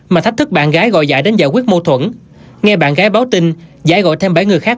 mà thách thức bạn gái gọi giải đến giải quyết mâu thuẫn nghe bạn gái báo tin giải gọi thêm bảy người khác